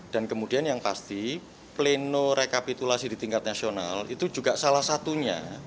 dan kemudian yang pasti pleno rekapitulasi di tingkat nasional itu juga salah satunya